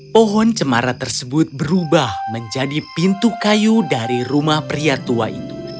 pohon cemara tersebut berubah menjadi pintu kayu dari rumah pria tua itu